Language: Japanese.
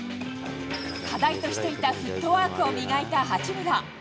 課題としていたフットワークを磨いた八村。